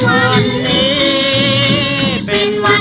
วันนี้เป็นวันสงคราม